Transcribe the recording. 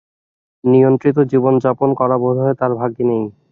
নিয়ন্ত্রিত জীবনযাপন করা বোধহয় তাঁর ভাগ্যে নেই।